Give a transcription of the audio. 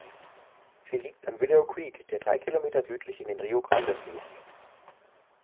Sie liegt am „Willow Creek“, der drei Kilometer südlich in den Rio Grande fließt.